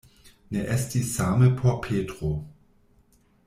Ne estis same por Petro.